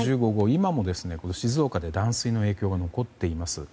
今も静岡で断水の影響が残っています。